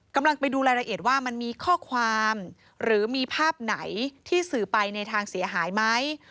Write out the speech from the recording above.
กำลังไปดูรายละเอียดว่ามันมีข้อความหรือมีภาพไหนที่สื่อไปในทางเสียหายไหม